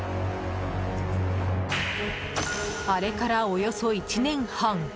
あれから、およそ１年半。